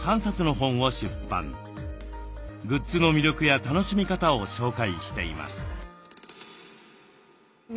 グッズの魅力や楽しみ方を紹介しています。